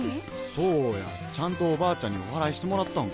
そうやちゃんとおばあちゃんにお祓いしてもらったんか？